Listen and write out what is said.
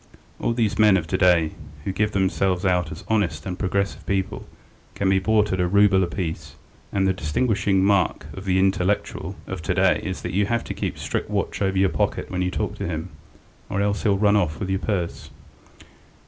All these men of to day who give themselves out as honest and progressive people can be bought at a rouble a piece, and the distinguishing mark of the 'intellectual' of to day is that you have to keep strict watch over your pocket when you talk to him, or else he will run off with your purse."